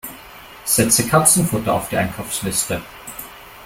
Setze Katzenfutter auf die Einkaufsliste!